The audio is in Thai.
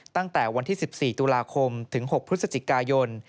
ตั้งแต่วันที่๑๔ตุลาคมถึง๖พฤศจิกายน